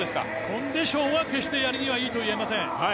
コンディションは決してやりにはいいといえません。